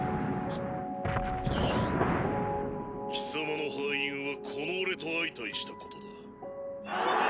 貴様の敗因はこの俺と相対したことだ。